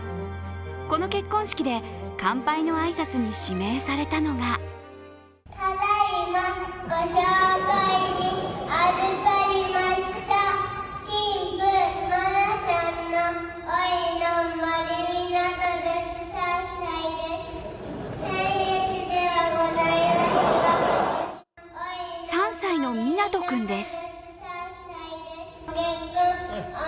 この結婚式で乾杯の挨拶に指名されたのが３歳のみなと君です。